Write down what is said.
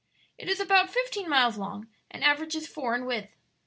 "It is about fifteen miles long, and averages four in width.